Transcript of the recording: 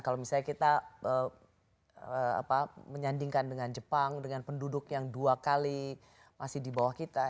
kalau misalnya kita menyandingkan dengan jepang dengan penduduk yang dua kali masih di bawah kita